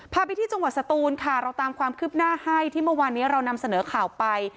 ไปที่จังหวัดสตูนค่ะเราตามความคืบหน้าให้ที่เมื่อวานนี้เรานำเสนอข่าวไป